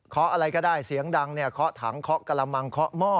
เคาะอะไรก็ได้เสียงดังเนี่ยเคาะถังเคาะกะละมังเคาะหม้อ